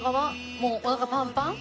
もうおなかパンパン？